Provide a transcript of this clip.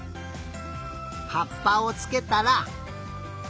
はっぱをつけたら。